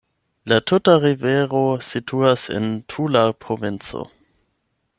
La tuta rivero situas en Tula provinco.